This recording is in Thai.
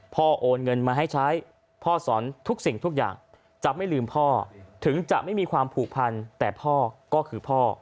โอนเงินมาให้ใช้พ่อสอนทุกสิ่งทุกอย่างจะไม่ลืมพ่อถึงจะไม่มีความผูกพันแต่พ่อก็คือพ่อ